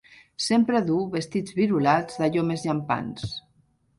Sempre duu vestits virolats, d'allò més llampants.